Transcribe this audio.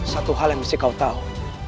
satu hal yang mesti kau tahu